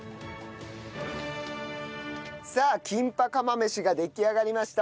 さあキンパ釜飯が出来上がりました。